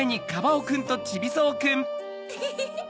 フフフフ